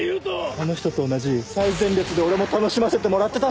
あの人と同じ最前列で俺も楽しませてもらってた。